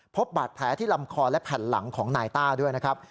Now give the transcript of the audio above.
พบบาดแผลที่ลำคอและแผ่นหลังของนายต้าด้วยนะครับ